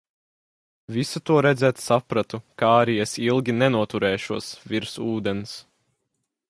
"Visu to redzot sapratu, ka arī es ilgi nenoturēšos "virs ūdens"."